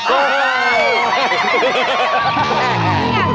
โอ้โฮ